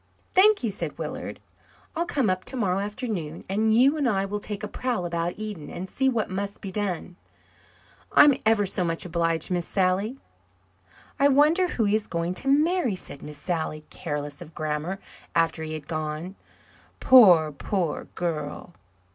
"Thank you," said Willard. "I'll come up tomorrow afternoon, and you and I will take a prowl about Eden and see what must be done. I'm ever so much obliged, Miss Sally." "I wonder who he is going to marry," said Miss Sally, careless of grammar, after he had gone. "Poor, poor girl!"